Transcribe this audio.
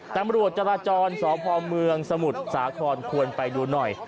ตำรวจจราจรสพเมืองสมุทรสาครควรไปดูหน่อย